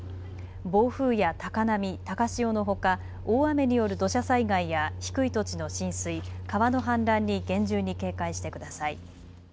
暴風や高波、高潮のほか大雨による土砂災害や低い土地の浸水、川の氾濫に厳重に警戒してください。